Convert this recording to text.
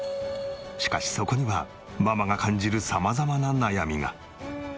しかしそこにはママが感じる様々な悩みが。